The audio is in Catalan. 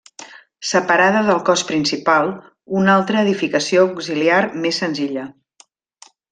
Separada del cos principal, una altra edificació auxiliar més senzilla.